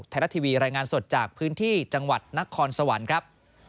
ไทยรัฐทีวีรายงานสดจากพื้นที่จังหวัดนครสวรรค์ครับ